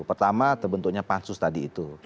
pertama terbentuknya pansus tadi itu